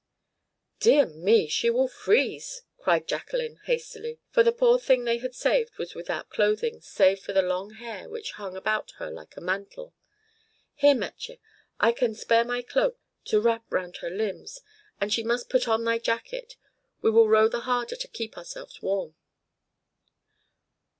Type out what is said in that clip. "Dear me, she will freeze," cried Jacqueline hastily; for the poor thing they had saved was without clothing, save for the long hair which hung about her like a mantle. "Here, Metje, I can spare my cloak to wrap round her limbs, and she must put on thy jacket. We will row the harder to keep ourselves warm."